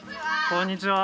こんにちは。